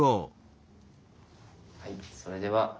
はいそれでは。